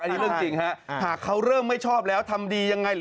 อันนี้เรื่องจริงเลยหากเขาเรื่องไม่ชอบแล้วยังไง